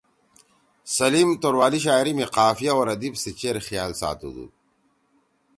سلیم توروالی شاعری می قافیہ او ردیف سی چیر خیال ساتُودُود۔